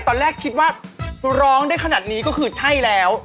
ตอนแรกคิดว่าร้องได้ขนาดนี้ก็คือใช่แล้ว